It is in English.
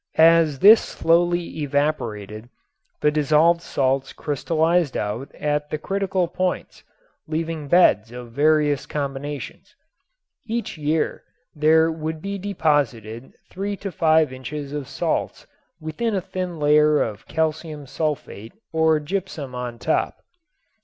As this slowly evaporated the dissolved salts crystallized out at the critical points, leaving beds of various combinations. Each year there would be deposited three to five inches of salts with a thin layer of calcium sulfate or gypsum on top.